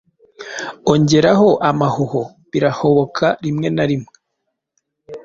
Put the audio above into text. Ongeraho amahuho birahoboka rimwe na rimwe